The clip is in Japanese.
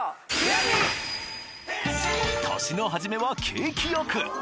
年の初めは景気良く！